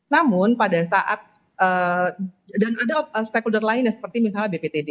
namun pada saat dan ada stakeholder lain ya seperti misalnya bptd